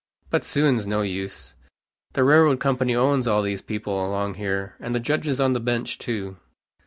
But suin's no use. The railroad company owns all these people along here, and the judges on the bench too.